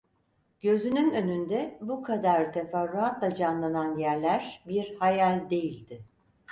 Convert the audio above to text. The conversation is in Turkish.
Gözünün önünde bu kadar teferruatla canlanan yerler bir hayal değildi.